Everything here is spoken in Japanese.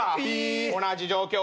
同じ状況。